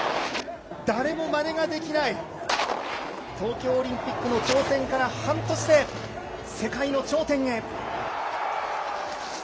誰もまねができない、東京オリンピックの挑戦から半年で、世界の頂点へ。